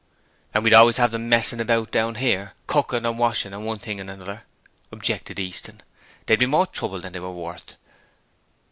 'And we'd always have them messing about down here, cooking and washing and one thing and another,' objected Easton; 'they'd be more trouble than they way worth.'